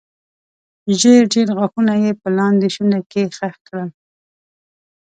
ژېړ ژېړ غاښونه یې په لاندې شونډه کې خښ کړل.